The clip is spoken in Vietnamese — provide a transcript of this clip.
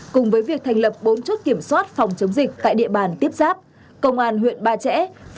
cùng với việc thành lập bốn chốt kiểm soát phòng chống dịch tại địa bàn tiếp giáp công an huyện ba trẻ